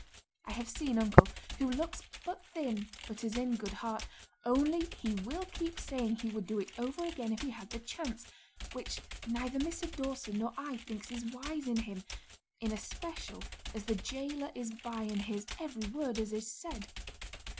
I have seen uncle, who looks but thin, but is in good heart: only he will keep saying he would do it over again if he had the chance, which neither Mr. Dawson nor I think is wise in him, in especial as the gaoler is by and hears every word as is said.